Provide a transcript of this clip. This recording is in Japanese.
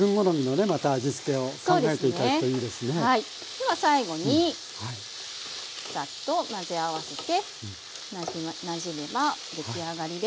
では最後にサッと混ぜ合わせてなじめば出来上がりです。